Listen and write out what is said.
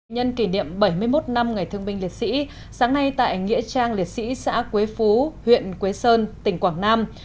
nhân kỷ niệm bảy mươi một năm ngày thương binh liệt sĩ sáng nay tại nghĩa trang liệt sĩ xã quế phú huyện quế sơn tỉnh quảng nam